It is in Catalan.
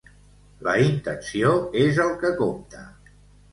La intenció és el que compta.